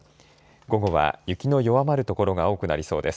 午後は雪の弱まる所が多くなりそうです。